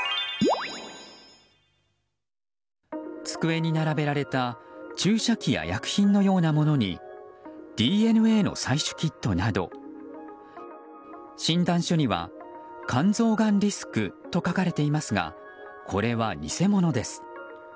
机に並べられた注射器や薬品のようなものにＤＮＡの採取キットなど診断書には肝臓がんリスクと書かれていますがこれは偽物です。